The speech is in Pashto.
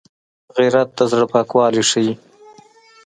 غیرت د زړه پاکوالی ښيي